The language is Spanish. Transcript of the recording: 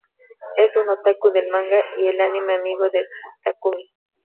Es un otaku del manga y el anime amigo de Takumi.